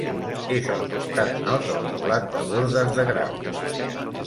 És al costat nord del poblat de bordes de Graus.